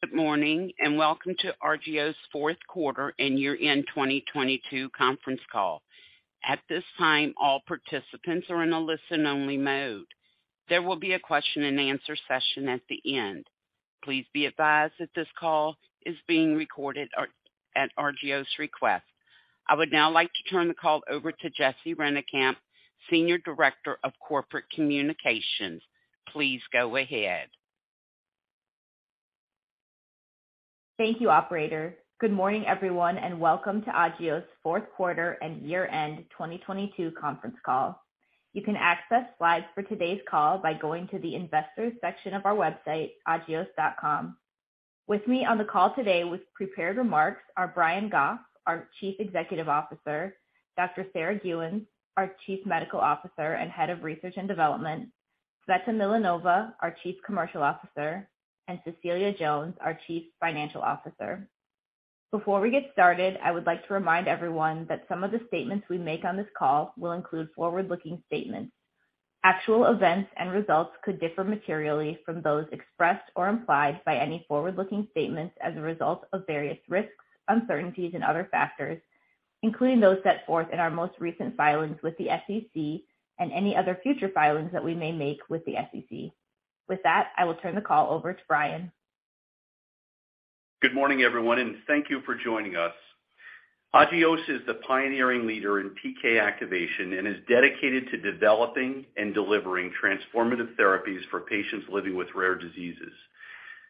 Good morning, welcome to Agios fourth quarter and year-end 2022 conference call. At this time, all participants are in a listen-only mode. There will be a question-and-answer session at the end. Please be advised that this call is being recorded at Agios request. I would now like to turn the call over to Jessy Rennekamp, Senior Director of Corporate Communications. Please go ahead. Thank you, operator. Good morning, everyone, welcome to Agios fourth quarter and year-end 2022 conference call. You can access slides for today's call by going to the investors section of our website, agios.com. With me on the call today with prepared remarks are Brian Goff, our Chief Executive Officer, Dr. Sarah Gheuens, our Chief Medical Officer and Head of Research and Development, Tsveta Milanova, our Chief Commercial Officer, and Cecilia Jones, our Chief Financial Officer. Before we get started, I would like to remind everyone that some of the statements we make on this call will include forward-looking statements. Actual events and results could differ materially from those expressed or implied by any forward-looking statements as a result of various risks, uncertainties and other factors, including those set forth in our most recent filings with the SEC and any other future filings that we may make with the SEC. With that, I will turn the call over to Brian. Good morning, everyone, and thank you for joining us. Agios is the pioneering leader in PK activation and is dedicated to developing and delivering transformative therapies for patients living with rare diseases.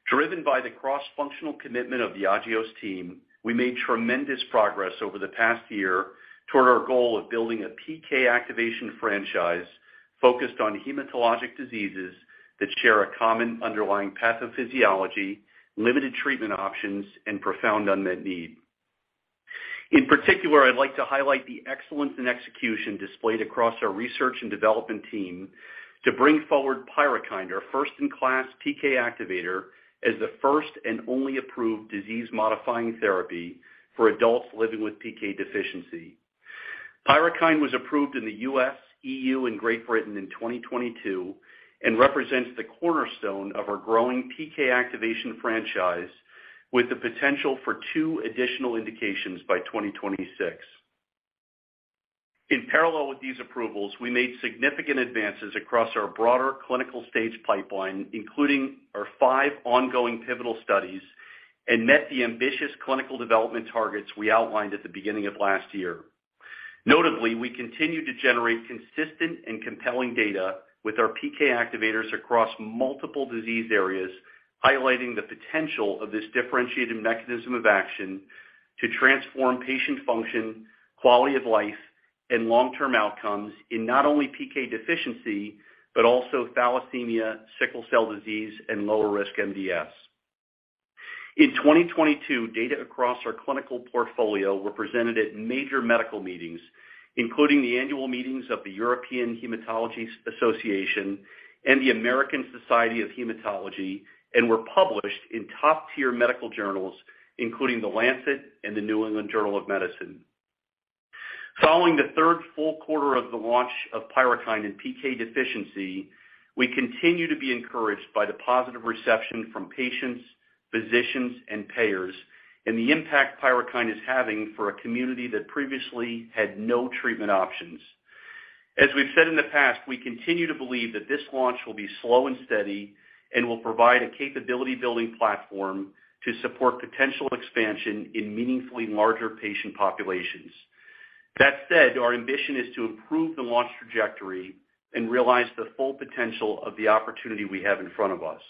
Driven by the cross-functional commitment of the Agios team, we made tremendous progress over the past year toward our goal of building a PK activation franchise focused on hematologic diseases that share a common underlying pathophysiology, limited treatment options, and profound unmet need. In particular, I'd like to highlight the excellence in execution displayed across our research and development team to bring forward PYRUKYND, our first-in-class PK activator, as the first and only approved disease-modifying therapy for adults living with PK deficiency. PYRUKYND was approved in the U.S., EU, and Great Britain in 2022 and represents the cornerstone of our growing PK activation franchise with the potential for two additional indications by 2026. In parallel with these approvals, we made significant advances across our broader clinical-stage pipeline, including our five ongoing pivotal studies, and met the ambitious clinical development targets we outlined at the beginning of last year. Notably, we continue to generate consistent and compelling data with our PK activators across multiple disease areas, highlighting the potential of this differentiated mechanism of action to transform patient function, quality of life, and long-term outcomes in not only PK deficiency, but also thalassemia, sickle cell disease, and lower risk MDS. In 2022, data across our clinical portfolio were presented at major medical meetings, including the annual meetings of the European Hematology Association and the American Society of Hematology, and were published in top-tier medical journals, including The Lancet and The New England Journal of Medicine. Following the third full quarter of the launch of PYRUKYND in PK deficiency, we continue to be encouraged by the positive reception from patients, physicians, and payers and the impact PYRUKYND is having for a community that previously had no treatment options. As we've said in the past, we continue to believe that this launch will be slow and steady and will provide a capability-building platform to support potential expansion in meaningfully larger patient populations. That said, our ambition is to improve the launch trajectory and realize the full potential of the opportunity we have in front of us.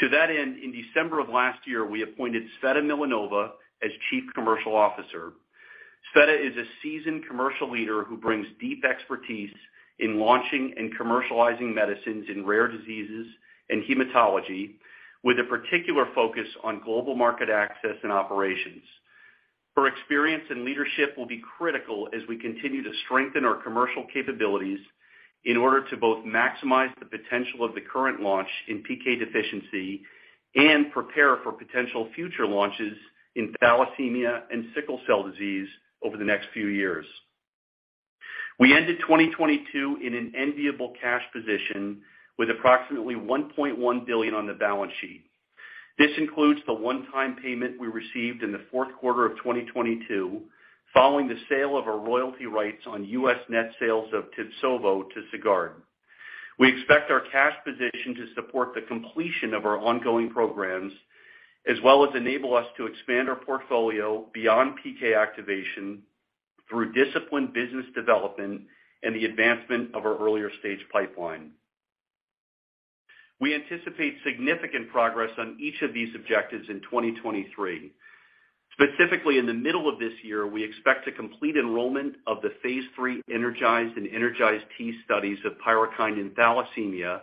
To that end, in December of last year, we appointed Tsveta Milanova as Chief Commercial Officer. Tsveta is a seasoned commercial leader who brings deep expertise in launching and commercializing medicines in rare diseases and hematology, with a particular focus on global market access and operations. Her experience and leadership will be critical as we continue to strengthen our commercial capabilities in order to both maximize the potential of the current launch in PK deficiency and prepare for potential future launches in thalassemia and sickle cell disease over the next few years. We ended 2022 in an enviable cash position with approximately $1.1 billion on the balance sheet. This includes the one-time payment we received in the fourth quarter of 2022 following the sale of our royalty rights on U.S. net sales of TIBSOVO to Sagard. We expect our cash position to support the completion of our ongoing programs, as well as enable us to expand our portfolio beyond PK activation through disciplined business development and the advancement of our earlier stage pipeline. We anticipate significant progress on each of these objectives in 2023. Specifically, in the middle of this year, we expect to complete enrollment of the phase III ENERGIZE and ENERGIZE-T studies of PYRUKYND in thalassemia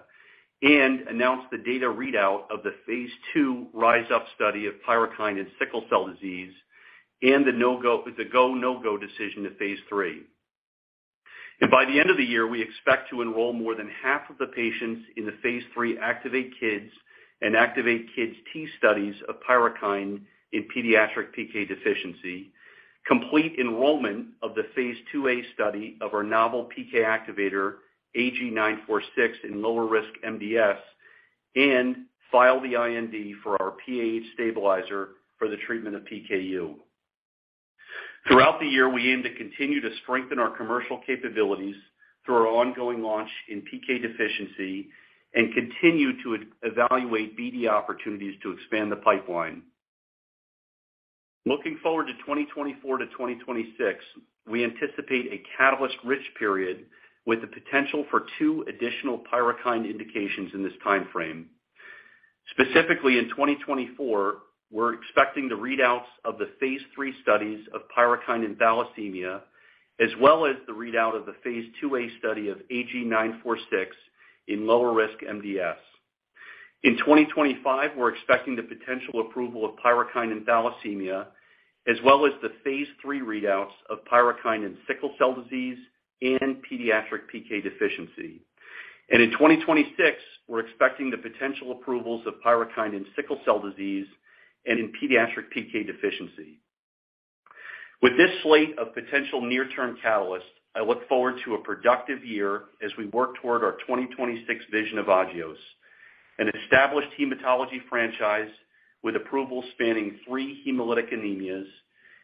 and announce the data readout of the phase II RISE UP study of PYRUKYND in sickle cell disease and the go, no-go decision to phase III. By the end of the year, we expect to enroll more than half of the patients in the phase III ACTIVATE-Kids and ACTIVATE-KidsT studies of PYRUKYND in pediatric PK deficiency, complete enrollment of phase II-A study of our novel PK activator, AG-946, in lower risk MDS, and file the IND for our PAH stabilizer for the treatment of PKU. Throughout the year, we aim to continue to strengthen our commercial capabilities through our ongoing launch in PK deficiency and continue to evaluate BD opportunities to expand the pipeline. Looking forward to 2024-2026, we anticipate a catalyst-rich period with the potential for two additional PYRUKYND indications in this time frame. Specifically, in 2024, we're expecting the readouts of the phase III studies of PYRUKYND in thalassemia, as well as the readout of phase II-A study of AG-946 in lower risk MDS. In 2025, we're expecting the potential approval of PYRUKYND in thalassemia, as well as the phase III readouts of PYRUKYND in sickle cell disease and pediatric PK deficiency. In 2026, we're expecting the potential approvals of PYRUKYND in sickle cell disease and in pediatric PK deficiency. With this slate of potential near-term catalyst, I look forward to a productive year as we work toward our 2026 vision of Agios, an established hematology franchise with approval spanning three hemolytic anemias,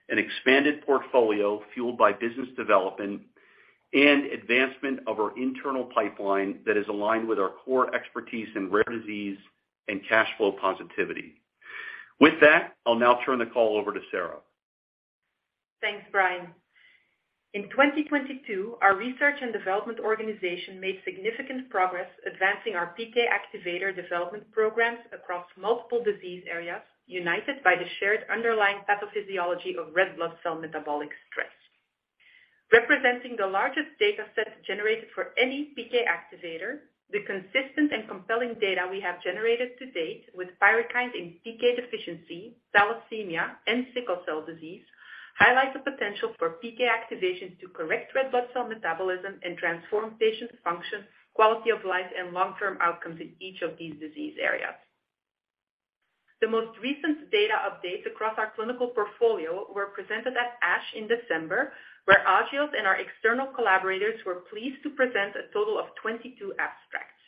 an expanded portfolio fueled by business development, and advancement of our internal pipeline that is aligned with our core expertise in rare disease and cash flow positivity. With that, I'll now turn the call over to Sarah. Thanks, Brian. In 2022, our research and development organization made significant progress advancing our PK activator development programs across multiple disease areas, united by the shared underlying pathophysiology of red blood cell metabolic stress. Representing the largest data set generated for any PK activator, the consistent and compelling data we have generated to date with PYRUKYND in PK deficiency, thalassemia, and sickle cell disease highlight the potential for PK activation to correct red blood cell metabolism and transform patients' function, quality of life, and long-term outcomes in each of these disease areas. The most recent data updates across our clinical portfolio were presented at ASH in December, where Agios and our external collaborators were pleased to present a total of 22 abstracts.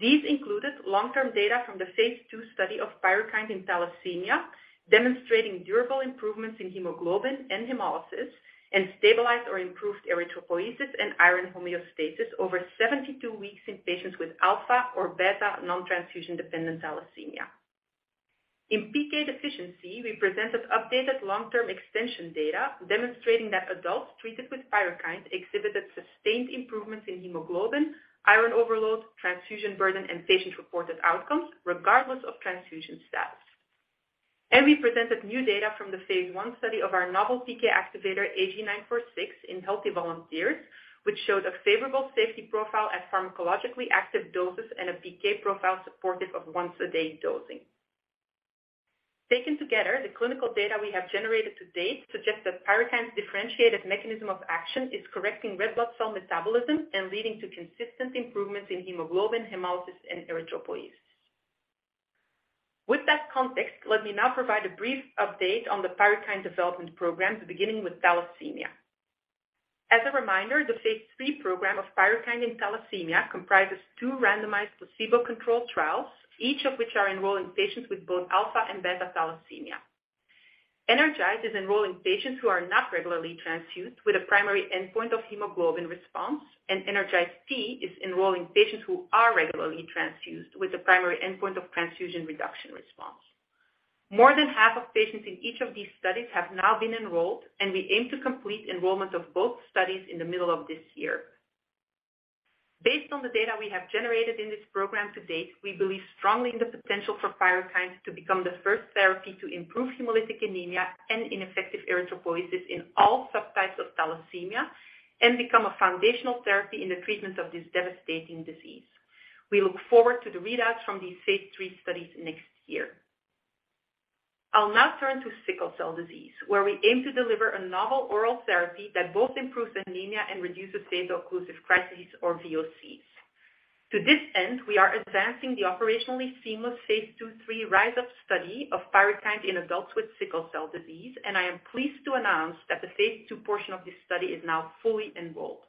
These included long-term data from the phase II study of PYRUKYND in thalassemia, demonstrating durable improvements in hemoglobin and hemolysis, and stabilized or improved erythropoiesis and iron homeostasis over 72 weeks in patients with alpha or beta non-transfusion dependent thalassemia. In PK deficiency, we presented updated long-term extension data demonstrating that adults treated with PYRUKYND exhibited sustained improvements in hemoglobin, iron overload, transfusion burden, and patient-reported outcomes regardless of transfusion status. We presented new data from the phase I study of our novel PK activator, AG-946 in healthy volunteers, which showed a favorable safety profile at pharmacologically active doses and a PK profile supportive of once-a-day dosing. Taken together, the clinical data we have generated to date suggests that PYRUKYND's differentiated mechanism of action is correcting red blood cell metabolism and leading to consistent improvements in hemoglobin, hemolysis, and erythropoiesis. With that context, let me now provide a brief update on the PYRUKYND development programs, beginning with thalassemia. As a reminder, the phase III program of PYRUKYND in thalassemia comprises two randomized placebo-controlled trials, each of which are enrolling patients with both alpha and beta thalassemia. ENERGIZE is enrolling patients who are not regularly transfused with a primary endpoint of hemoglobin response, and ENERGIZE-T is enrolling patients who are regularly transfused with a primary endpoint of transfusion reduction response. More than half of patients in each of these studies have now been enrolled, and we aim to complete enrollment of both studies in the middle of this year. Based on the data we have generated in this program to date, we believe strongly in the potential for PYRUKYND to become the first therapy to improve hemolytic anemia and ineffective erythropoiesis in all subtypes of thalassemia and become a foundational therapy in the treatment of this devastating disease. We look forward to the readouts from these phase III studies next year. I'll now turn to sickle cell disease, where we aim to deliver a novel oral therapy that both improves anemia and reduces vaso-occlusive crises or VOCs. To this end, we are advancing the operationally seamless phase II/3 RISE UP study of PYRUKYND in adults with sickle cell disease, and I am pleased to announce that the phase II portion of this study is now fully enrolled.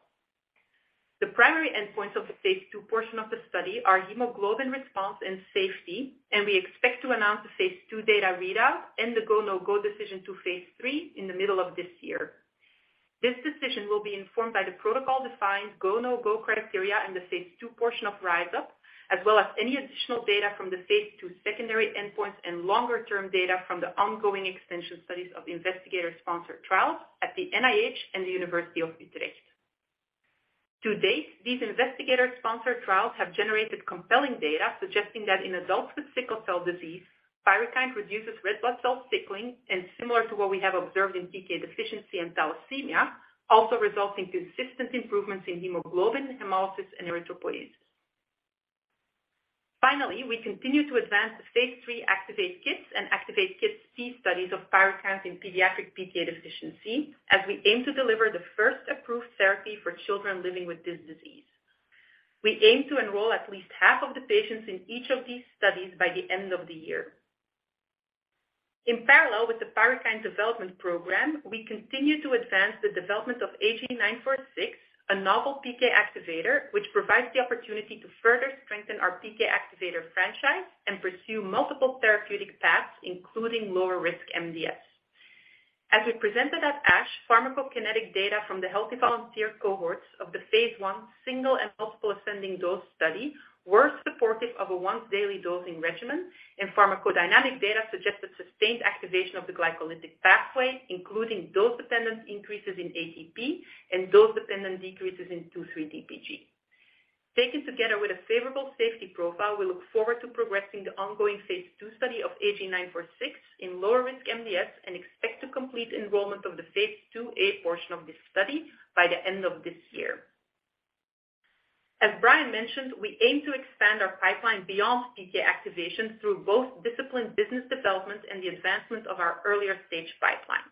The primary endpoints of the phase II portion of the study are hemoglobin response and safety, and we expect to announce the phase II data readout and the go, no-go decision to phase III in the middle of this year. This decision will be informed by the protocol-defined go, no-go criteria in the phase II portion of RISE UP, as well as any additional data from the phase II secondary endpoints and longer-term data from the ongoing extension studies of the investigator-sponsored trials at the NIH and the Utrecht University. To date, these investigator-sponsored trials have generated compelling data suggesting that in adults with sickle cell disease, PYRUKYND reduces red blood cell sickling and similar to what we have observed in PK deficiency and thalassemia, also resulting consistent improvements in hemoglobin, hemolysis, and erythropoiesis. We continue to advance the phase III ACTIVATE-KIDS and ACTIVATE-KIDS-T studies of PYRUKYND in pediatric PK deficiency as we aim to deliver the first approved therapy for children living with this disease. We aim to enroll at least half of the patients in each of these studies by the end of the year. In parallel with the PYRUKYND development program, we continue to advance the development of AG-946, a novel PK activator, which provides the opportunity to further strengthen our PK activator franchise and pursue multiple therapeutic paths, including lower risk MDS. As we presented at ASH, pharmacokinetic data from the healthy volunteer cohorts of the phase I single and multiple ascending dose study were supportive of a once-daily dosing regimen, and pharmacodynamic data suggested sustained activation of the glycolytic pathway, including dose-dependent increases in ATP and dose-dependent decreases in 2,3-DPG. Taken together with a favorable safety profile, we look forward to progressing the ongoing phase II study of AG-946 in lower-risk MDS and expect to complete enrollment of phase II-A portion of this study by the end of this year. As Brian mentioned, we aim to expand our pipeline beyond PK activation through both disciplined business development and the advancement of our earlier-stage pipeline.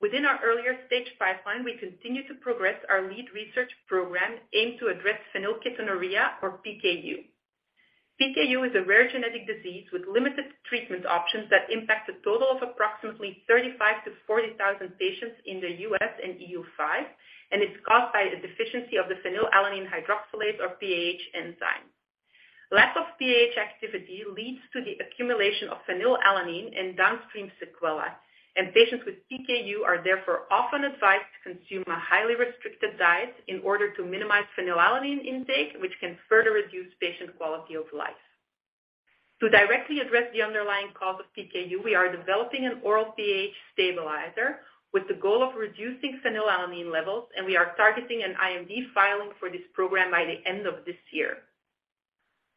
Within our earlier-stage pipeline, we continue to progress our lead research program aimed to address phenylketonuria, or PKU. PKU is a rare genetic disease with limited treatment options that impact a total of approximately 35,000-40,000 patients in the U.S. and EU5, and it's caused by a deficiency of the phenylalanine hydroxylase, or PAH enzyme. Lack of PAH activity leads to the accumulation of phenylalanine and downstream sequelae, patients with PKU are therefore often advised to consume a highly restricted diet in order to minimize phenylalanine intake, which can further reduce patient quality of life. To directly address the underlying cause of PKU, we are developing an oral PAH stabilizer with the goal of reducing phenylalanine levels, we are targeting an IND filing for this program by the end of this year.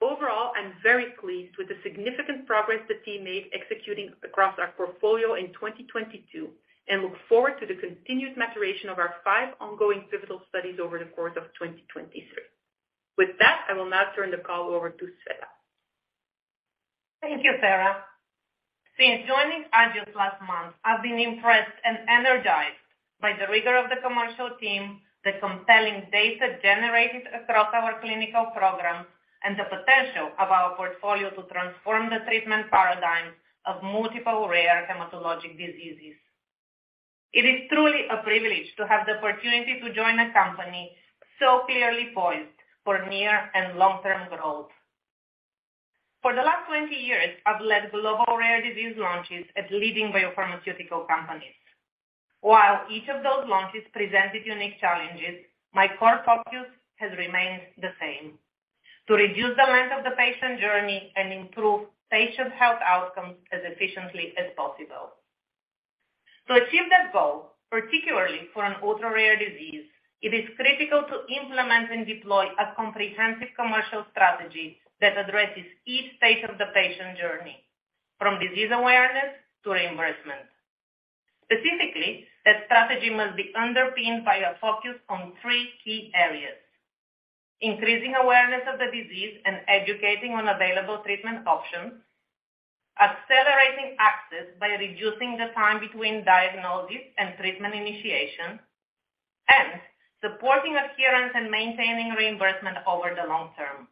Overall, I'm very pleased with the significant progress the team made executing across our portfolio in 2022 and look forward to the continued maturation of our five ongoing pivotal studies over the course of 2023. With that, I will now turn the call over to Tsveta. Thank you, Sarah. Since joining Agios last month, I've been impressed and energized by the rigor of the commercial team, the compelling data generated across our clinical programs, and the potential of our portfolio to transform the treatment paradigm of multiple rare hematologic diseases. It is truly a privilege to have the opportunity to join a company so clearly poised for near and long-term growth. For the last 20 years, I've led global rare disease launches at leading biopharmaceutical companies. While each of those launches presented unique challenges, my core focus has remained the same, to reduce the length of the patient journey and improve patient health outcomes as efficiently as possible. To achieve that goal, particularly for an ultra-rare disease, it is critical to implement and deploy a comprehensive commercial strategy that addresses each phase of the patient journey, from disease awareness to reimbursement. Specifically, that strategy must be underpinned by a focus on three key areas. Increasing awareness of the disease and educating on available treatment options, accelerating access by reducing the time between diagnosis and treatment initiation, and supporting adherence and maintaining reimbursement over the long term.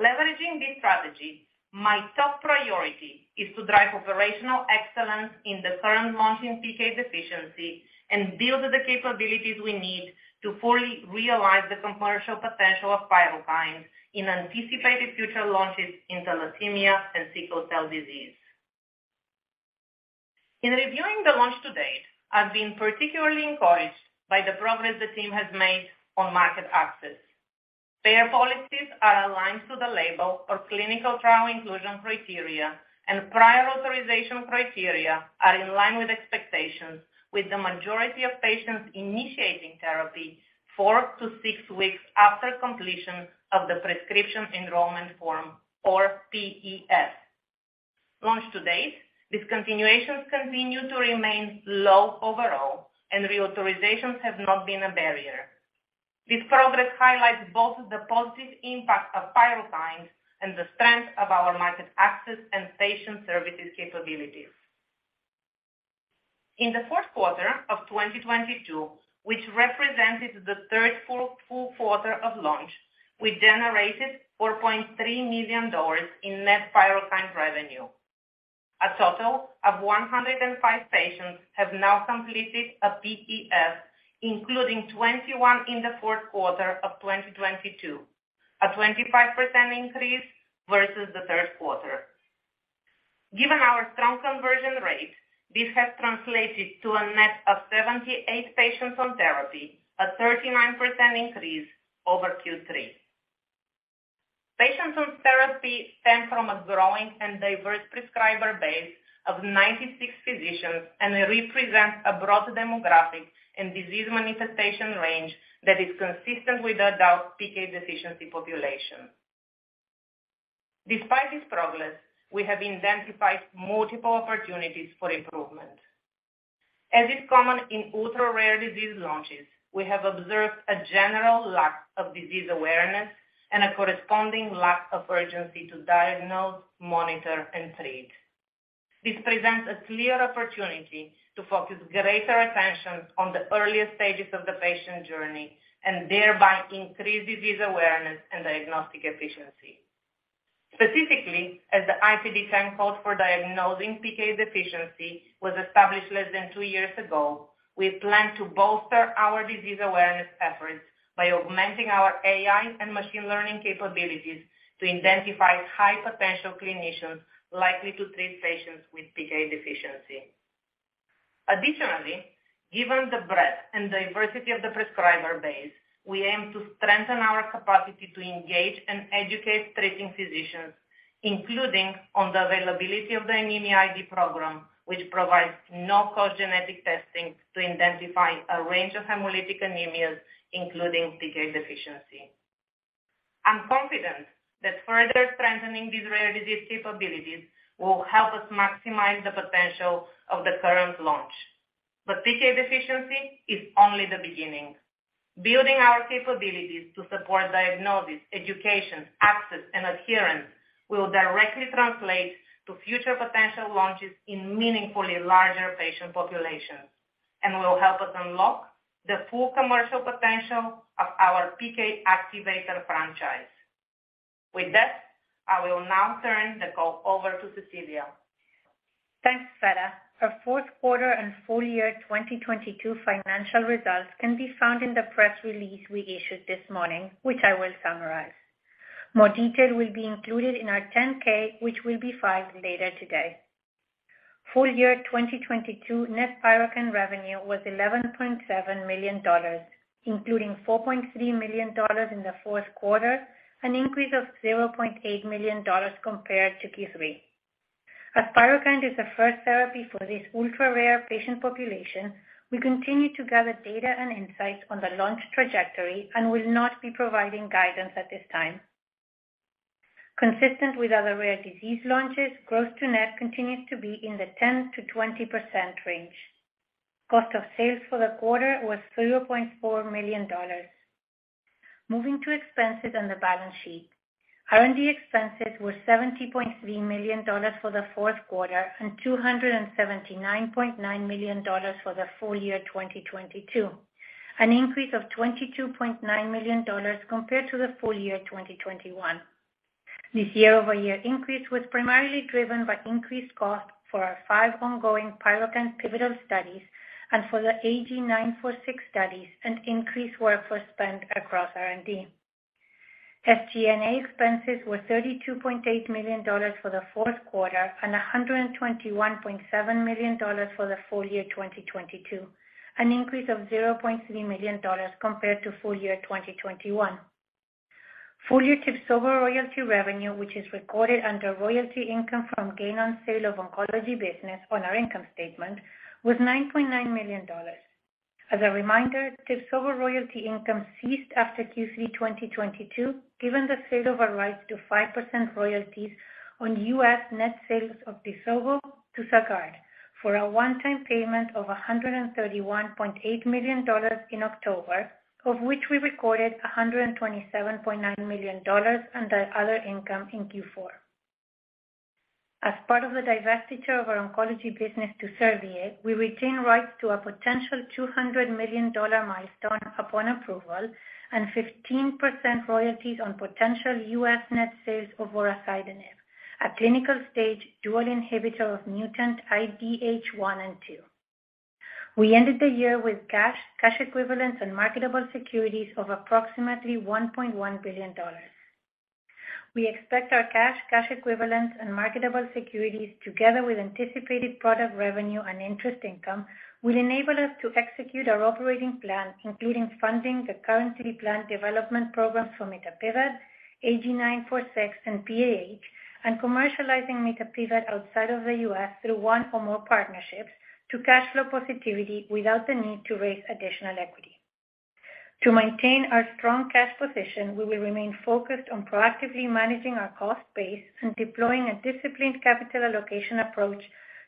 Leveraging this strategy, my top priority is to drive operational excellence in the current launch in PK deficiency and build the capabilities we need to fully realize the commercial potential of PYRUKYND in anticipated future launches in thalassemia and sickle cell disease. In reviewing the launch to date, I've been particularly encouraged by the progress the team has made on market access. Payer policies are aligned to the label or clinical trial inclusion criteria, and prior authorization criteria are in line with expectations, with the majority of patients initiating therapy four to six weeks after completion of the Prescription Enrollment Form or PEF. Launched to date, discontinuations continue to remain low overall, reauthorizations have not been a barrier. This progress highlights both the positive impact of PYRUKYND and the strength of our market access and patient services capabilities. In the fourth quarter of 2022, which represented the third full quarter of launch, we generated $4.3 million in net PYRUKYND revenue. A total of 105 patients have now completed a PEF, including 21 in the fourth quarter of 2022, a 25% increase versus the third quarter. Given our strong conversion rate, this has translated to a net of 78 patients on therapy, a 39% increase over Q3. Patients on therapy stem from a growing and diverse prescriber base of 96 physicians and represent a broad demographic and disease manifestation range that is consistent with the adult PK deficiency population. Despite this progress, we have identified multiple opportunities for improvement. As is common in ultra-rare disease launches, we have observed a general lack of disease awareness and a corresponding lack of urgency to diagnose, monitor, and treat. This presents a clear opportunity to focus greater attention on the earliest stages of the patient journey and thereby increase disease awareness and diagnostic efficiency. Specifically, as the ICD-10 code for diagnosing PK deficiency was established less than two years ago, we plan to bolster our disease awareness efforts by augmenting our AI and machine learning capabilities to identify high-potential clinicians likely to treat patients with PK deficiency. Additionally, given the breadth and diversity of the prescriber base, we aim to strengthen our capacity to engage and educate treating physicians, including on the availability of the Anemia ID program, which provides no-cost genetic testing to identify a range of hemolytic anemias, including PK deficiency. I'm confident that further strengthening these rare disease capabilities will help us maximize the potential of the current launch. PK deficiency is only the beginning. Building our capabilities to support diagnosis, education, access, and adherence will directly translate to future potential launches in meaningfully larger patient populations and will help us unlock the full commercial potential of our PK activator franchise. With that, I will now turn the call over to Cecilia. Thanks, Veta. Our fourth quarter and full year 2022 financial results can be found in the press release we issued this morning, which I will summarize. More detail will be included in our 10-K, which will be filed later today. Full year 2022 net PYRUKYND revenue was $11.7 million, including $4.3 million in the fourth quarter, an increase of $0.8 million compared to Q3. PYRUKYND is the first therapy for this ultra-rare patient population, we continue to gather data and insights on the launch trajectory and will not be providing guidance at this time. Consistent with other rare disease launches, gross-to-net continues to be in the 10%-20% range. Cost of sales for the quarter was $3.4 million. Moving to expenses on the balance sheet. R&D expenses were $70.3 million for the fourth quarter and $279.9 million for the full year 2022, an increase of $22.9 million compared to the full year 2021. This year-over-year increase was primarily driven by increased costs for our five ongoing PYRUKYND pivotal studies and for the AG-946 studies and increased workforce spend across R&D. SG&A expenses were $32.8 million for the fourth quarter and $121.7 million for the full year 2022, an increase of $0.3 million compared to full year 2021. Full year TIBSOVO royalty revenue, which is recorded under royalty income from gain on sale of oncology business on our income statement, was $9.9 million. As a reminder, TIBSOVO royalty income ceased after Q3 2022, given the sale of our right to 5% royalties on U.S. net sales of TIBSOVO to Sagard for a one-time payment of $131.8 million in October, of which we recorded $127.9 million under other income in Q4. As part of the divestiture of our oncology business to Servier, we retain rights to a potential $200 million milestone upon approval and 15% royalties on potential U.S. net sales of vorasidenib, a clinical-stage dual inhibitor of mutant IDH1 and IDH2. We ended the year with cash equivalents, and marketable securities of approximately $1.1 billion. We expect our cash equivalents, and marketable securities, together with anticipated product revenue and interest income, will enable us to execute our operating plan, including funding the currently planned development programs for mitapivat, AG-946, and PAH, and commercializing mitapivat outside of the U.S. through one or more partnerships to cash flow positivity without the need to raise additional equity. To maintain our strong cash position, we will remain focused on proactively managing our cost base and deploying a disciplined capital allocation approach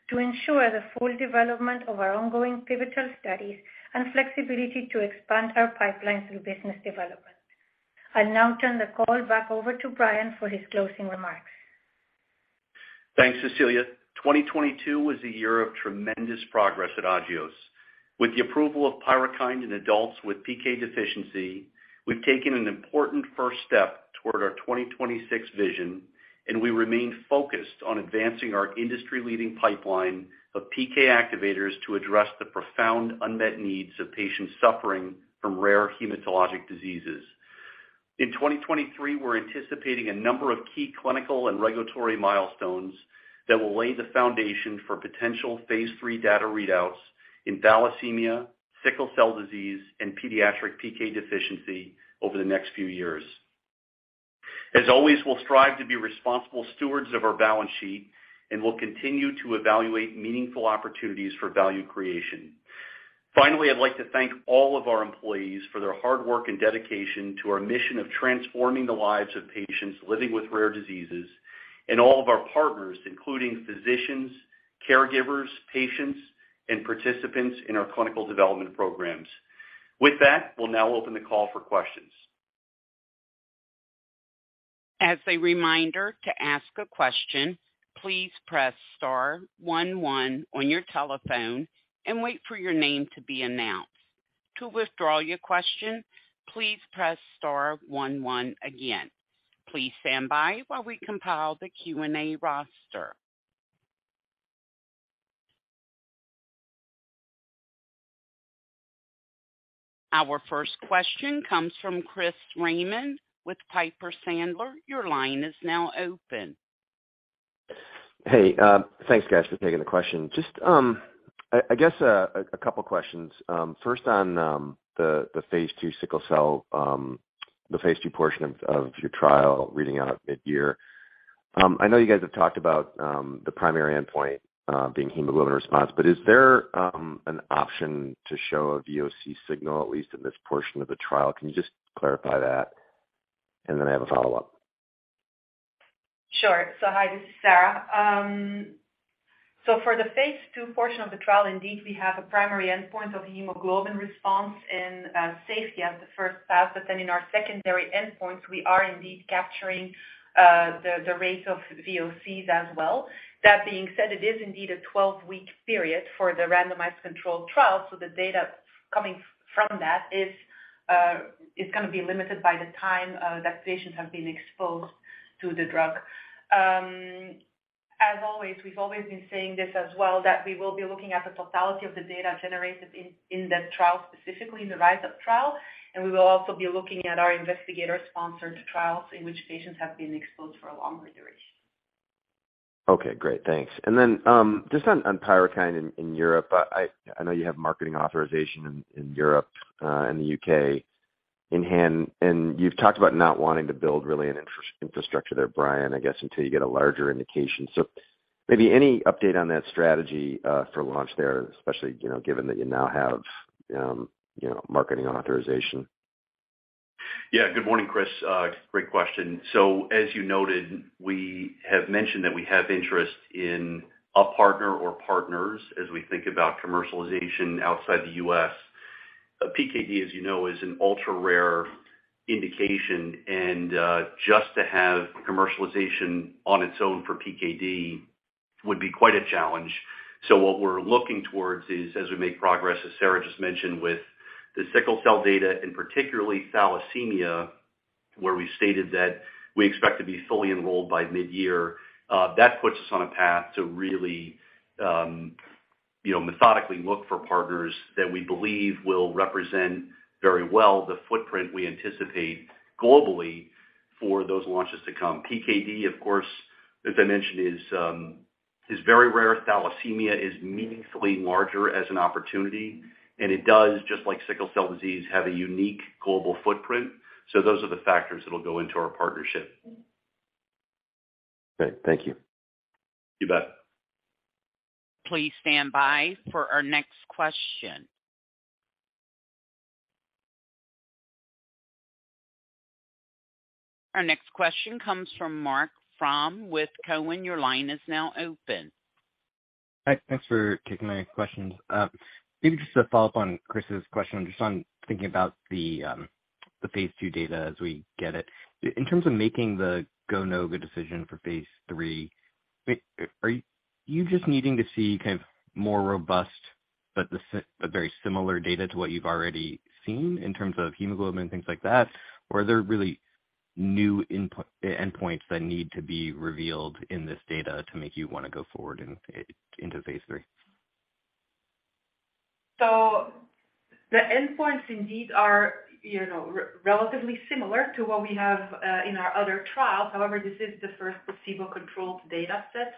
to ensure the full development of our ongoing pivotal studies and flexibility to expand our pipelines through business development. I'll now turn the call back over to Brian for his closing remarks. Thanks, Cecilia. 2022 was a year of tremendous progress at Agios. With the approval of PYRUKYND in adults with PK deficiency, we've taken an important first step toward our 2026 vision, and we remain focused on advancing our industry-leading pipeline of PK activators to address the profound unmet needs of patients suffering from rare hematologic diseases. In 2023, we're anticipating a number of key clinical and regulatory milestones that will lay the foundation for potential phase III data readouts in thalassemia, sickle cell disease, and pediatric PK deficiency over the next few years. As always, we'll strive to be responsible stewards of our balance sheet, and we'll continue to evaluate meaningful opportunities for value creation. Finally, I'd like to thank all of our employees for their hard work and dedication to our mission of transforming the lives of patients living with rare diseases and all of our partners, including physicians, caregivers, patients, and participants in our clinical development programs. We'll now open the call for questions. As a reminder, to ask a question, please press star one one on your telephone and wait for your name to be announced. To withdraw your question, please press star one one again. Please stand by while we compile the Q&A roster. Our first question comes from Chris Raymond with Piper Sandler. Your line is now open. Hey, thanks guys for taking the question. Just, I guess, a couple questions. First on the phase II sickle cell, the phase II portion of your trial reading out mid-year. I know you guys have talked about the primary endpoint being hemoglobin response, but is there an option to show a VOC signal, at least in this portion of the trial? Can you just clarify that? I have a follow-up. Sure. Hi, this is Sarah. For the phase II portion of the trial, indeed we have a primary endpoint of hemoglobin response and safety as the first path. In our secondary endpoints, we are indeed capturing the rates of VOCs as well. That being said, it is indeed a 12-week period for the randomized controlled trial. The data coming from that is gonna be limited by the time that patients have been exposed to the drug. As always, we've always been saying this as well, that we will be looking at the totality of the data generated in that trial, specifically in the RISE-UP trial, and we will also be looking at our investigator-sponsored trials in which patients have been exposed for a longer duration. Okay, great. Thanks. Just on PYRUKYND in Europe. I know you have marketing authorization in Europe and the U.K. in hand, and you've talked about not wanting to build really an infrastructure there, Brian, I guess, until you get a larger indication. Maybe any update on that strategy for launch there especially, you know, given that you now have, you know, marketing authorization? Yeah. Good morning, Chris. Great question. As you noted, we have mentioned that we have interest in a partner or partners as we think about commercialization outside the U.S. PKD, as you know, is an ultra-rare indication, and just to have commercialization on its own for PKD would be quite a challenge. What we're looking towards is as we make progress, as Sarah just mentioned with the sickle cell data, and particularly thalassemia, where we stated that we expect to be fully enrolled by mid-year, that puts us on a path to really, you know, methodically look for partners that we believe will represent very well the footprint we anticipate globally for those launches to come. PKD, of course, as I mentioned, is very rare. Thalassemia is meaningfully larger as an opportunity. It does, just like sickle cell disease, have a unique global footprint. Those are the factors that'll go into our partnership. Great. Thank you. You bet. Please stand by for our next question. Our next question comes from Marc Frahm with Cowen. Your line is now open. Hi. Thanks for taking my questions. Maybe just to follow up on Chris's question just on thinking about the phase II data as we get it. In terms of making the go/no-go decision for phase III, are you just needing to see kind of more robust but very similar data to what you've already seen in terms of hemoglobin, things like that? Or are there really new endpoints that need to be revealed in this data to make you wanna go forward into phase III? The endpoints indeed are, you know, relatively similar to what we have in our other trials. However, this is the first placebo-controlled data set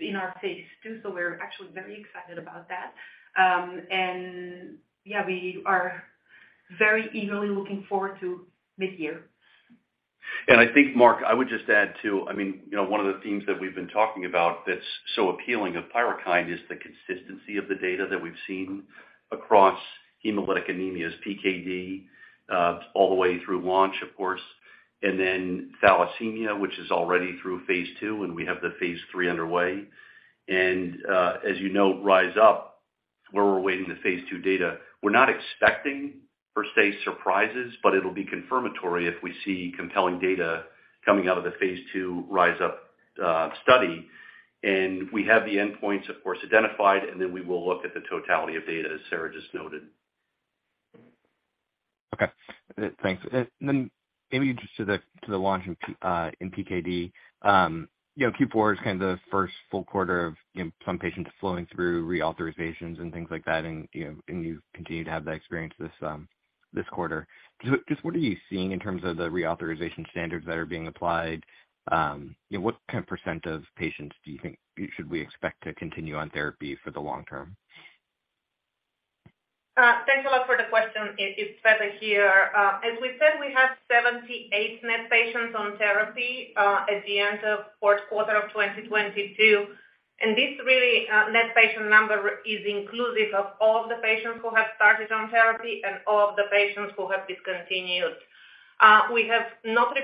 in our phase II, so we're actually very excited about that. Yeah, we are very eagerly looking forward to this year. I think, Mark, I would just add too, I mean, you know, one of the themes that we've been talking about that's so appealing of PYRUKYND is the consistency of the data that we've seen across hemolytic anemias PKD, all the way through launch of course, and then thalassemia, which is already through phase II, and we have the phase III underway. As you know, RISE UP, where we're waiting the phase II data, we're not expecting per se surprises, but it'll be confirmatory if we see compelling data coming out of the phase II RISE UP study. We have the endpoints of course identified, and then we will look at the totality of data, as Sarah just noted. Okay. Thanks. Maybe just to the, to the launch in PKD. You know, Q4 is kind of the first full quarter of, you know, some patients flowing through reauthorizations and things like that. You know, you've continued to have that experience this quarter. Just what are you seeing in terms of the reauthorization standards that are being applied? You know, what kind of % of patients do you think should we expect to continue on therapy for the long term? Thanks a lot for the question. It's Tsveta here. As we said, we have 78 net patients on therapy, at the end of fourth quarter of 2022. This really, net patient number is inclusive of all the patients who have started on therapy and all of the patients who have discontinued. We have not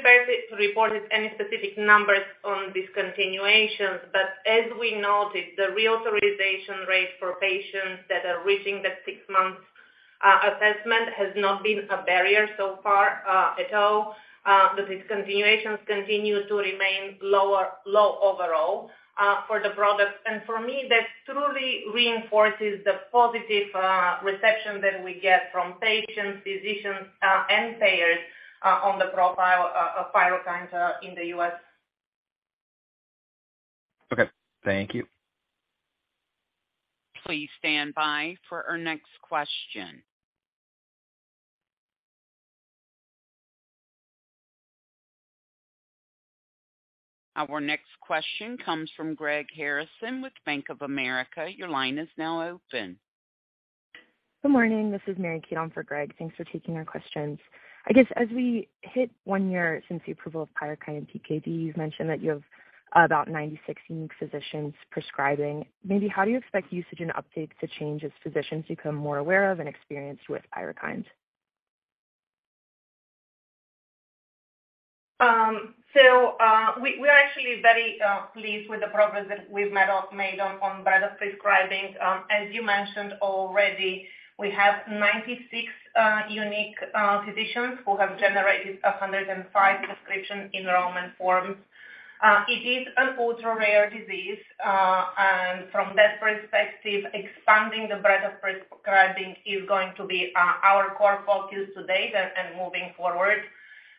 reported any specific numbers on discontinuations, but as we noted, the reauthorization rate for patients that are reaching the six-month Assessment has not been a barrier so far, at all. The discontinuations continue to remain low overall, for the product. For me, that truly reinforces the positive reception that we get from patients, physicians, and payers, on the profile of PYRUKYND, in the U.S. Okay. Thank you. Please stand by for our next question. Our next question comes from Greg Harrison with Bank of America. Your line is now open. Good morning. This is Mary Kate for Greg. Thanks for taking our questions. I guess as we hit one year since the approval of PYRUKYND in PKD, you've mentioned that you have about 96 unique physicians prescribing. Maybe how do you expect usage and updates to change as physicians become more aware of and experienced with PYRUKYND? We are actually very pleased with the progress that we've made on breadth of prescribing. As you mentioned already, we have 96 unique physicians who have generated 105 Prescription Enrollment Forms. It is an ultra-rare disease. From that perspective, expanding the breadth of prescribing is going to be our core focus today and moving forward.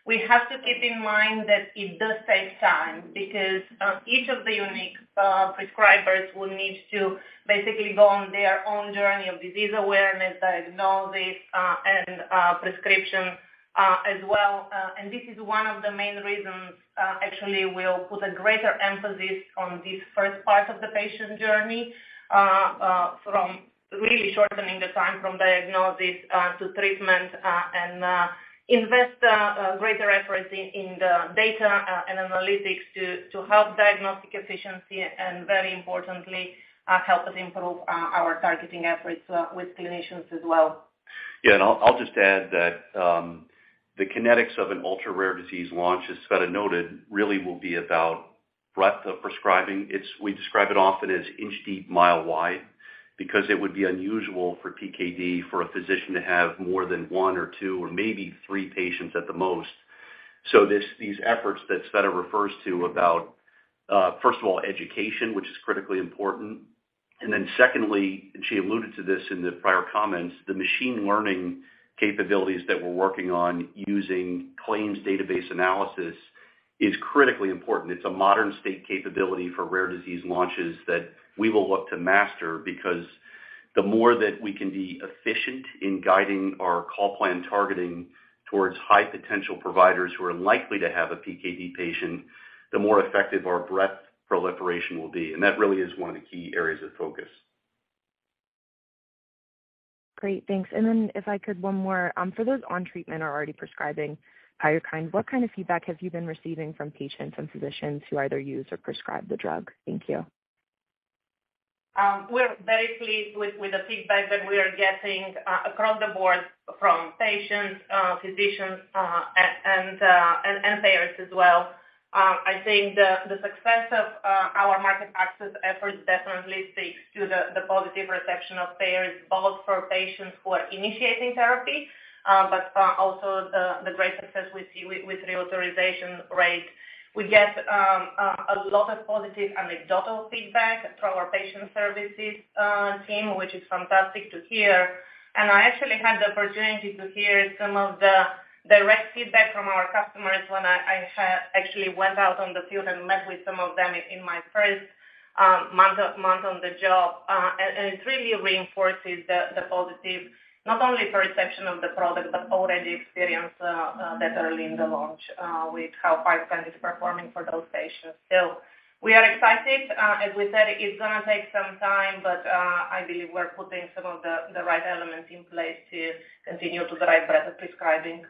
We have to keep in mind that it does take time because each of the unique prescribers will need to basically go on their own journey of disease awareness, diagnosis, and prescription as well. This is one of the main reasons, actually we'll put a greater emphasis on this first part of the patient journey, from really shortening the time from diagnosis to treatment, and invest greater efforts in the data and analytics to help diagnostic efficiency, and very importantly, help us improve our targeting efforts with clinicians as well. I'll just add that the kinetics of an ultra-rare disease launch, as Tsveta noted, really will be about breadth of prescribing. We describe it often as inch deep, mile wide, because it would be unusual for PKD for a physician to have more than one or two or maybe three patients at the most. These efforts that Tsveta refers to about, first of all, education, which is critically important. Secondly, and she alluded to this in the prior comments, the machine learning capabilities that we're working on using claims database analysis is critically important. It's a modern state capability for rare disease launches that we will look to master because the more that we can be efficient in guiding our call plan targeting towards high potential providers who are likely to have a PKD patient, the more effective our breadth proliferation will be. That really is one of the key areas of focus. Great. Thanks. If I could, one more. For those on treatment are already prescribing PYRUKYND, what kind of feedback have you been receiving from patients and physicians who either use or prescribe the drug? Thank you. We're very pleased with the feedback that we are getting across the board from patients, physicians, and payers as well. I think the success of our market access efforts definitely speaks to the positive reception of payers, both for patients who are initiating therapy, but also the great success we see with reauthorization rate. We get a lot of positive anecdotal feedback from our patient services team, which is fantastic to hear. I actually had the opportunity to hear some of the direct feedback from our customers when I had actually went out on the field and met with some of them in my first month on the job. It really reinforces the positive, not only for reception of the product, but already experience that early in the launch with how PYRUKYND is performing for those patients. We are excited. As we said, it's gonna take some time, but I believe we're putting some of the right elements in place to continue to drive breadth of prescribing.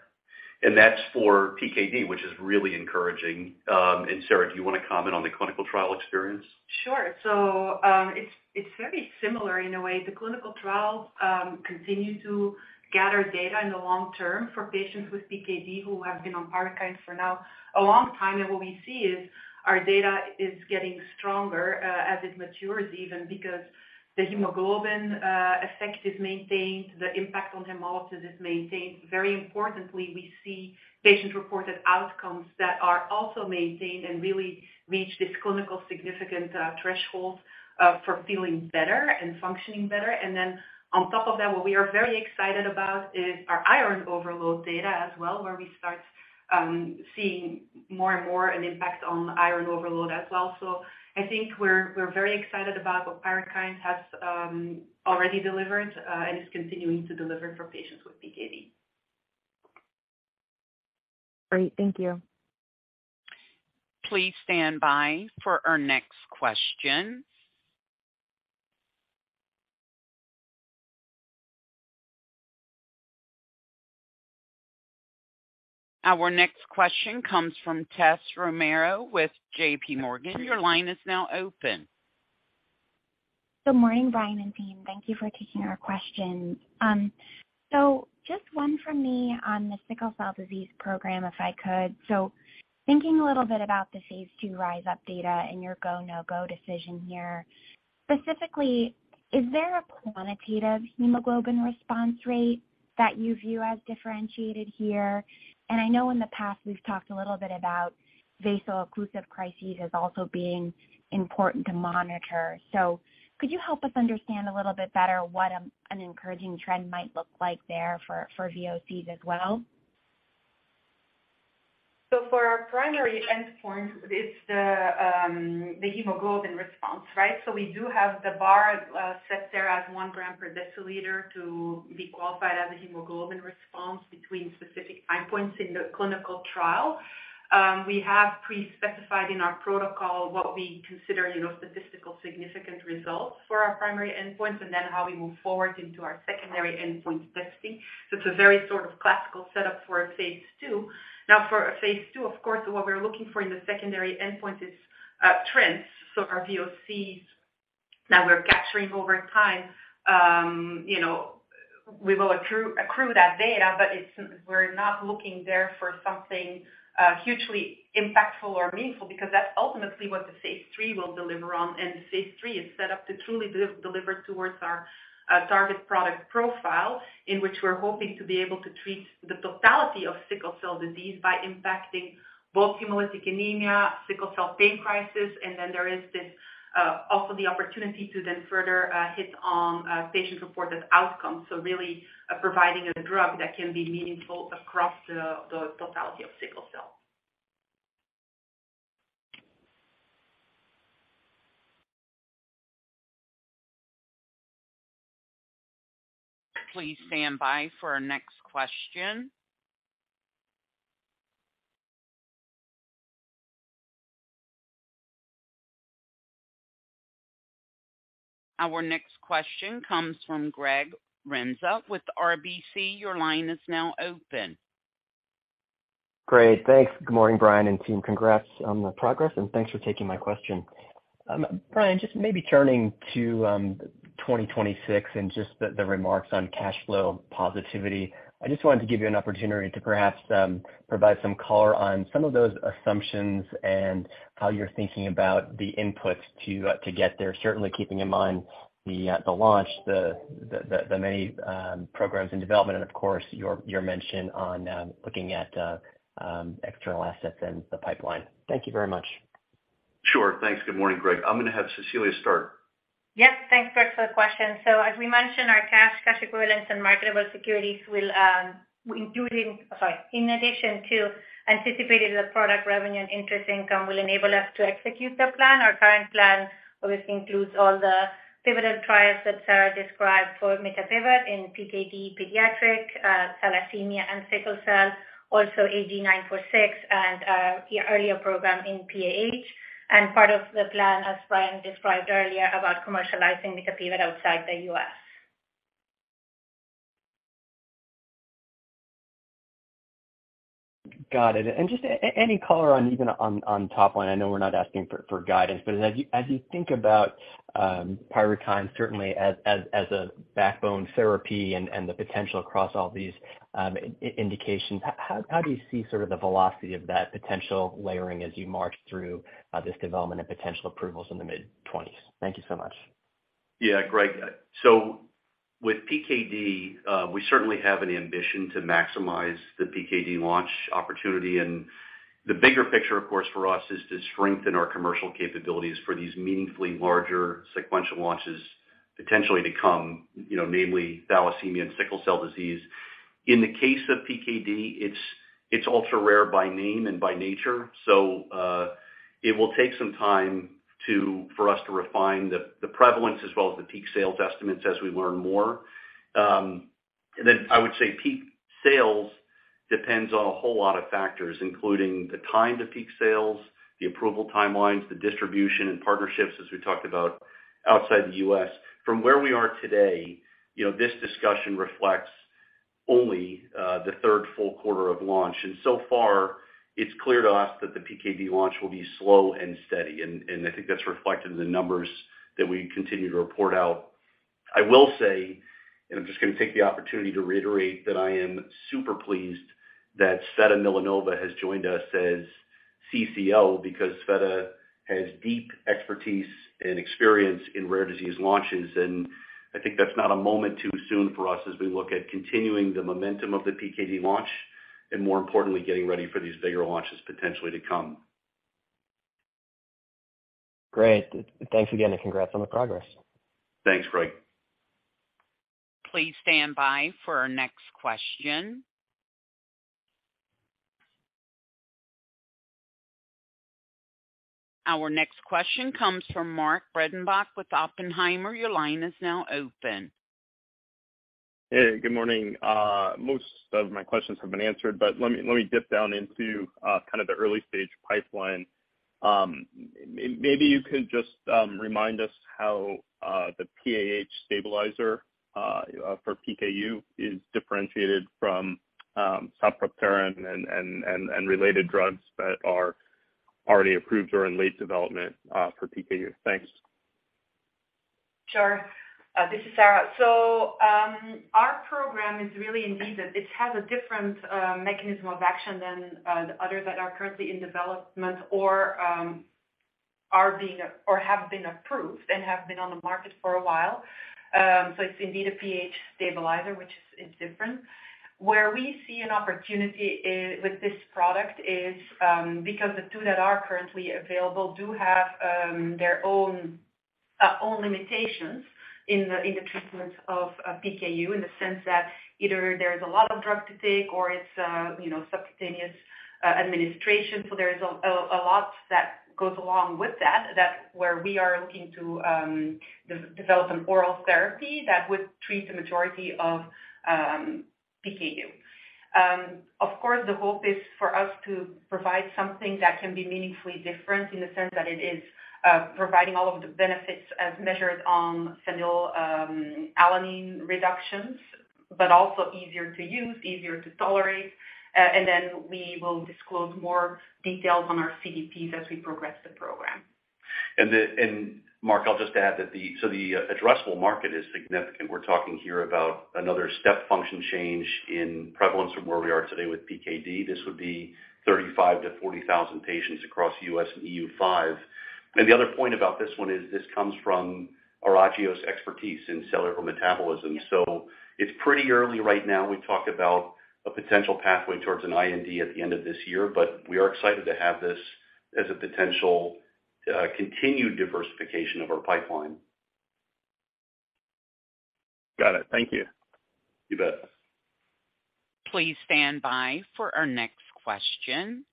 That's for PKD, which is really encouraging. Tsveta, do you wanna comment on the clinical trial experience? Sure. It's, it's very similar in a way. The clinical trial continue to gather data in the long term for patients with PKD who have been on PYRUKYND for now a long time. What we see is our data is getting stronger as it matures, even because the hemoglobin effect is maintained, the impact on hemodialysis is maintained. Very importantly, we see patient-reported outcomes that are also maintained and really reach this clinical significant threshold for feeling better and functioning better. On top of that, what we are very excited about is our iron overload data as well, where we start seeing more and more an impact on iron overload as well. I think we're very excited about what PYRUKYND has already delivered and is continuing to deliver for patients with PKD. Great. Thank you. Please stand by for our next question. Our next question comes from Tessa Romero with JPMorgan. Your line is now open. Good morning, Brian and team. Thank you for taking our question. Just one from me on the sickle cell disease program, if I could. Thinking a little bit about the phase II RISE UP data and your go, no-go decision here. Specifically, is there a quantitative hemoglobin response rate that you view as differentiated here? I know in the past, we've talked a little bit about vaso-occlusive crises as also being important to monitor. Could you help us understand a little bit better what an encouraging trend might look like there for VOCs as well? For our primary endpoint, it's the hemoglobin response, right? We do have the bar set there as 1 g per deciliter to be qualified as a hemoglobin response between specific time points in the clinical trial. We have pre-specified in our protocol what we consider, you know, statistical significant results for our primary endpoints, and then how we move forward into our secondary endpoint testing. It's a very sort of classical setup for a phase II. Now, for a phase II, of course, what we're looking for in the secondary endpoint is trends. Our VOCs that we're capturing over time, you know, we will accrue that data, but we're not looking there for something hugely impactful or meaningful because that's ultimately what the phase III will deliver on. The phase III is set up to truly deliver towards our target product profile, in which we're hoping to be able to treat the totality of sickle cell disease by impacting both hemolytic anemia, sickle cell pain crisis, and then there is this, also the opportunity to then further hit on patient-reported outcomes. Really providing a drug that can be meaningful across the totality of sickle cell. Please stand by for our next question. Our next question comes from Greg Renza with RBC. Your line is now open. Great. Thanks. Good morning, Brian and team. Congrats on the progress, and thanks for taking my question. Brian, just maybe turning to 2026 and just the remarks on cash flow positivity. I just wanted to give you an opportunity to perhaps provide some color on some of those assumptions and how you're thinking about the inputs to get there, certainly keeping in mind the launch, the many programs in development, and of course, your mention on looking at external assets in the pipeline. Thank you very much. Sure. Thanks. Good morning, Greg. I'm gonna have Cecilia start. Yes. Thanks, Greg, for the question. As we mentioned, our cash equivalents and marketable securities will, in addition to anticipating the product revenue and interest income will enable us to execute the plan. Our current plan obviously includes all the pivotal trials that Sarah described for mitapivat in PKD pediatric thalassemia and sickle cell, also AG-946 and the earlier program in PAH. Part of the plan, as Brian described earlier, about commercializing mitapivat outside the U.S. Got it. Just any color on even on top line. I know we're not asking for guidance. As you, as you think about PYRUKYND, certainly as a backbone therapy and the potential across all these indications, how do you see sort of the velocity of that potential layering as you march through this development and potential approvals in the mid-twenties? Thank you so much. Greg. With PKD, we certainly have an ambition to maximize the PKD launch opportunity. The bigger picture, of course, for us is to strengthen our commercial capabilities for these meaningfully larger sequential launches potentially to come, you know, namely thalassemia and sickle cell disease. In the case of PKD, it's ultra-rare by name and by nature. It will take some time for us to refine the prevalence as well as the peak sales estimates as we learn more. I would say peak sales depends on a whole lot of factors, including the time to peak sales, the approval timelines, the distribution and partnerships as we talked about outside the U.S. Where we are today, you know, this discussion reflects only the third full quarter of launch. So far, it's clear to us that the PKD launch will be slow and steady. I think that's reflected in the numbers that we continue to report out. I will say, I'm just gonna take the opportunity to reiterate that I am super pleased that Tsveta Milanova has joined us as CCO because Tsveta has deep expertise and experience in rare disease launches. I think that's not a moment too soon for us as we look at continuing the momentum of the PKD launch, and more importantly, getting ready for these bigger launches potentially to come. Great. Thanks again and congrats on the progress. Thanks, Greg. Please stand by for our next question. Our next question comes from Mark Breidenbach with Oppenheimer. Your line is now open. Hey, good morning. Most of my questions have been answered, but let me dip down into kind of the early-stage pipeline. Maybe you could just remind us how the PAH stabilizer for PKU is differentiated from sapropterin and related drugs that are already approved or in late development for PKU. Thanks. Sure. This is Sarah. Our program is really indeed that it has a different mechanism of action than the others that are currently in development or are being or have been approved and have been on the market for a while. It's indeed a pH stabilizer, which is different. Where we see an opportunity with this product is because the two that are currently available do have their own limitations in the treatment of PKU in the sense that either there's a lot of drug to take or it's you know, subcutaneous administration, so there is a lot that goes along with that. That's where we are looking to develop an oral therapy that would treat the majority of PKU. Of course, the hope is for us to provide something that can be meaningfully different in the sense that it is providing all of the benefits as measured on phenylalanine reductions, but also easier to use, easier to tolerate. We will disclose more details on our CDPs as we progress the program. Mark, I'll just add that the addressable market is significant. We're talking here about another step function change in prevalence from where we are today with PKD. This would be 35,000-40,000 patients across the U.S. and EU five. The other point about this one is this comes from Agios expertise in cellular metabolism. It's pretty early right now. We've talked about a potential pathway towards an IND at the end of this year, but we are excited to have this as a potential continued diversification of our pipeline. Got it. Thank you. You bet. Please stand by for our next question.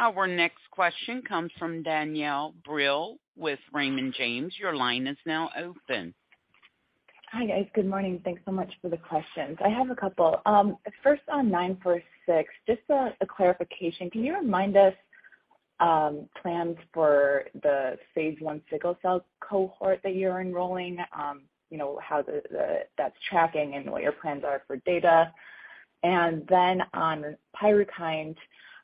Our next question comes from Danielle Brill with Raymond James. Your line is now open. Hi, guys. Good morning. Thanks so much for the questions. I have a couple. First on AG-946, just a clarification. Can you remind us plans for the phase I sickle cell cohort that you're enrolling? you know, how that's tracking and what your plans are for data. Then on PYRUKYND,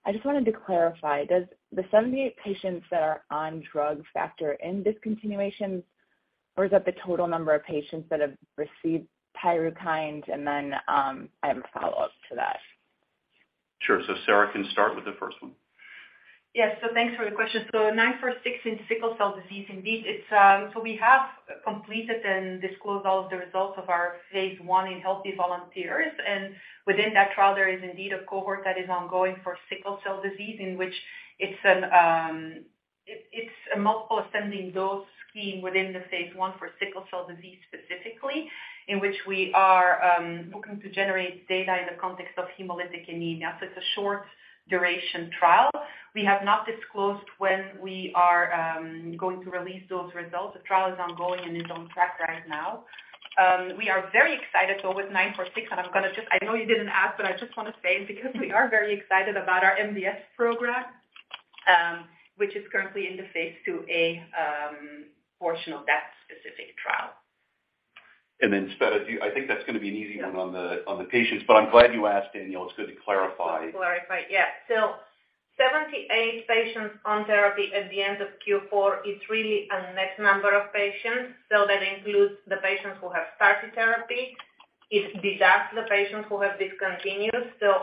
I just wanted to clarify, does the 78 patients that are on drug factor in discontinuations, or is that the total number of patients that have received PYRUKYND? Then I have a follow-up to that. Sure. Sarah can start with the first one. Yes. Thanks for the question. 946 in sickle cell disease, indeed, it's. We have completed and disclosed all of the results of our phase I in healthy volunteers. Within that trial, there is indeed a cohort that is ongoing for sickle cell disease, in which it's a multiple ascending dose scheme within the phase I for sickle cell disease specifically, in which we are looking to generate data in the context of hemolytic anemia. It's a short duration trial. We have not disclosed when we are going to release those results. The trial is ongoing and is on track right now. We are very excited, though, with AG-946. I know you didn't ask, but I just wanna say because we are very excited about our MDS program, which is currently inphase II-A portion of that specific trial. Tsveta, I think that's going to be an easy one on the patients, but I'm glad you asked, Danielle. It's good to clarify. Clarify. Yeah. 78 patients on therapy at the end of Q4 is really a net number of patients. That includes the patients who have started therapy. It deducts the patients who have discontinued.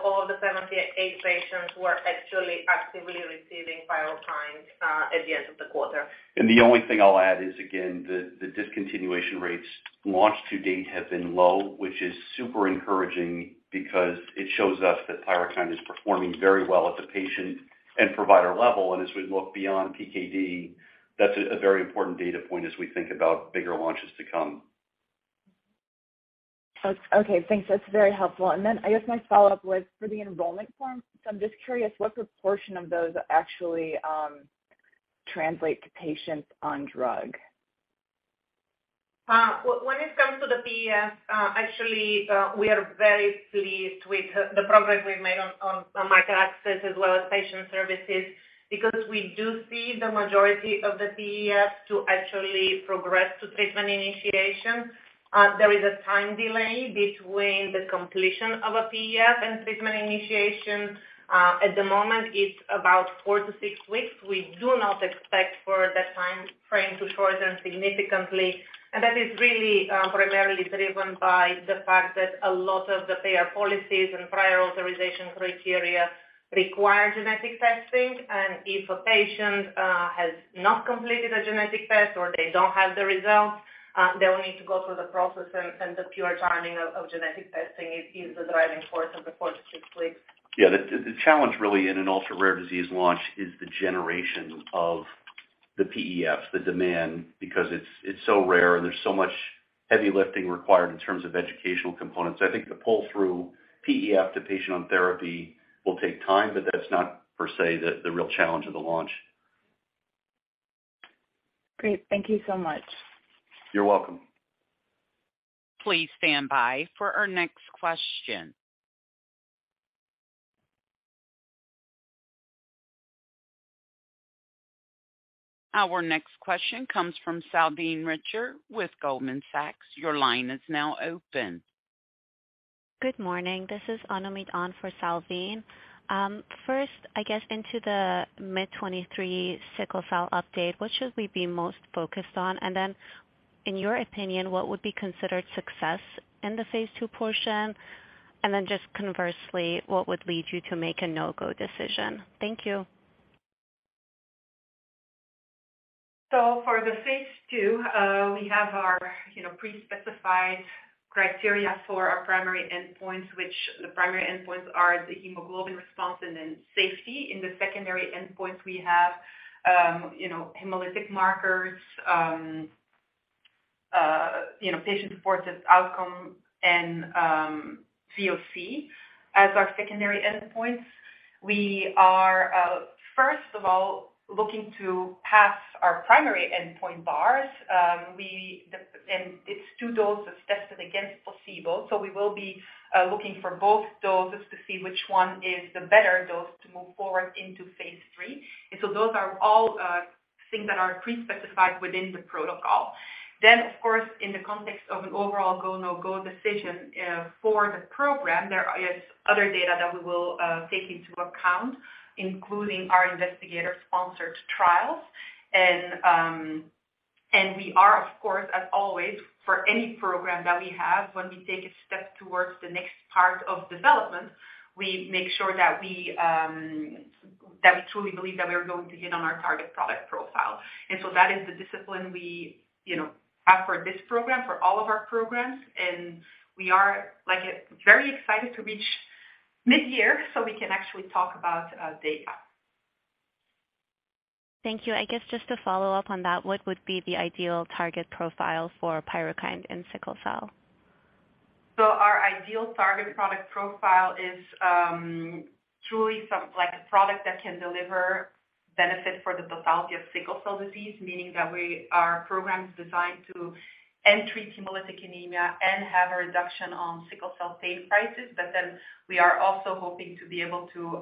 All the 78 patients were actually actively receiving PYRUKYND at the end of the quarter. The only thing I'll add is, again, the discontinuation rates launched to date have been low, which is super encouraging because it shows us that PYRUKYND is performing very well at the patient and provider level. As we look beyond PKD, that's a very important data point as we think about bigger launches to come. That's okay. Thanks. That's very helpful. I guess my follow-up was for the enrollment form. I'm just curious what proportion of those actually translate to patients on drug. When it comes to the PEF, we are very pleased with the progress we've made on market access as well as patient services because we do see the majority of the PEF to actually progress to treatment initiation. There is a time delay between the completion of a PEF and treatment initiation. At the moment, it's about four to six weeks. We do not expect for that timeframe to shorten significantly. That is really primarily driven by the fact that a lot of the payer policies and prior authorization criteria require genetic testing. If a patient has not completed a genetic test or they don't have the results, they will need to go through the process and the pure timing of genetic testing is the driving force of the four to six weeks. Yeah. The challenge really in an ultra-rare disease launch is the generation of the PEFs, the demand, because it's so rare and there's so much heavy lifting required in terms of educational components. I think the pull through PEF to patient on therapy will take time, but that's not per se the real challenge of the launch. Great. Thank you so much. You're welcome. Please stand by for our next question. Our next question comes from Salveen Richter with Goldman Sachs. Your line is now open. Good morning, this is Anupam Rama for Salveen Richter. First, I guess, into the mid-2023 sickle cell update. What should we be most focused on? In your opinion, what would be considered success in the phase II portion? Just conversely, what would lead you to make a no-go decision? Thank you. For the phase II, we have our, you know, pre-specified criteria for our primary endpoints, which the primary endpoints are the hemoglobin response and then safety. In the secondary endpoints, we have, you know, hemolytic markers, you know, patient-reported outcome and VOC as our secondary endpoints. We are, first of all, looking to pass our primary endpoint bars. It's two doses tested against placebo. We will be looking for both doses to see which one is the better dose to move forward into phase III. Those are all things that are pre-specified within the protocol. Of course, in the context of an overall go, no-go decision, for the program, there is other data that we will take into account, including our investigator-sponsored trials. We are, of course, as always, for any program that we have, when we take a step towards the next part of development, we make sure that we, that we truly believe that we're going to hit on our target product profile. That is the discipline we, you know, have for this program, for all of our programs. We are, like, very excited to reach mid-year, so we can actually talk about data. Thank you. I guess just to follow up on that, what would be the ideal target profile for PYRUKYND in sickle cell? Our ideal target product profile is truly like a product that can deliver benefit for the totality of sickle cell disease, meaning that our program is designed to end treat hemolytic anemia and have a reduction on sickle cell pain crisis, but then we are also hoping to be able to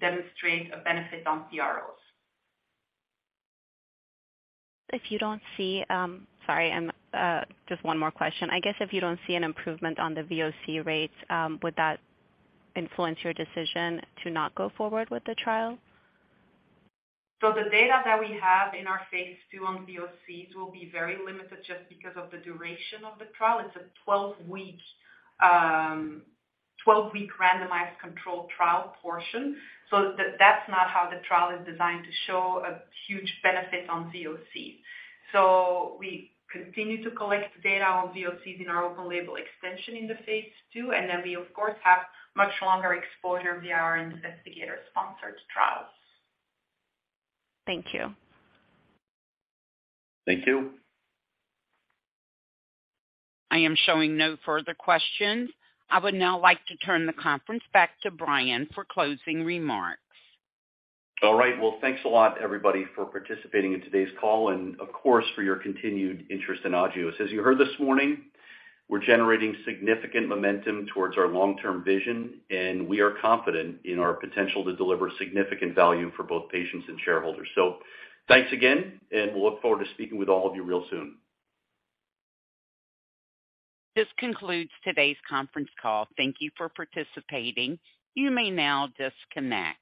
demonstrate a benefit on PROs. Sorry, just one more question. I guess if you don't see an improvement on the VOC rates, would that influence your decision to not go forward with the trial? The data that we have in our phase II on VOCs will be very limited just because of the duration of the trial. It's a 12-week randomized controlled trial portion. That's not how the trial is designed to show a huge benefit on VOC. We continue to collect data on VOCs in our open label extension in the phase II, and then we, of course, have much longer exposure via our investigator-sponsored trials. Thank you. Thank you. I am showing no further questions. I would now like to turn the conference back to Brian for closing remarks. All right. Well, thanks a lot, everybody, for participating in today's call and of course for your continued interest in Agios. As you heard this morning, we're generating significant momentum towards our long-term vision, and we are confident in our potential to deliver significant value for both patients and shareholders. Thanks again, and we'll look forward to speaking with all of you real soon. This concludes today's conference call. Thank you for participating. You may now disconnect.